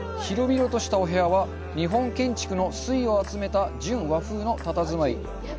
広々としたお部屋は日本建築の粋を集めた純和風のたたずまい。